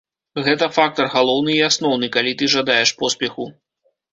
Гэта фактар галоўны і асноўны, калі ты жадаеш поспеху.